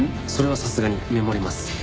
それはさすがにメモります。